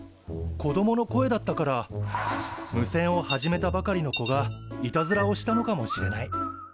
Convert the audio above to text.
子供の声だったから無線を始めたばかりの子がいたずらをしたのかもしれない。